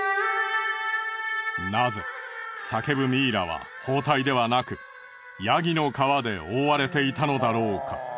なぜ叫ぶミイラは包帯ではなく山羊の皮で覆われていたのだろうか？